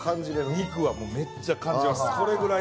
肉はめっちゃ感じます。